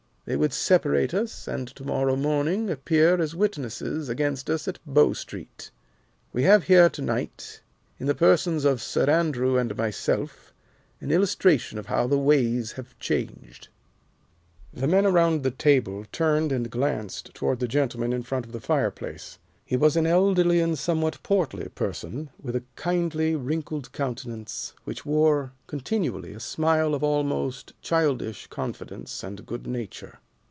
They would separate us, and to morrow morning appear as witnesses against us at Bow Street. We have here to night, in the persons of Sir Andrew and myself, an illustration of how the ways have changed." The men around the table turned and glanced toward the gentleman in front of the fireplace. He was an elderly and somewhat portly person, with a kindly, wrinkled countenance, which wore continually a smile of almost childish confidence and good nature.